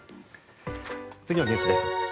次のニュースです。